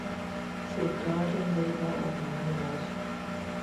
Safeguarding labour of minors.